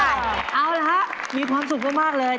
เอ้อเอาละค่ะมีความสุขทำมากเลย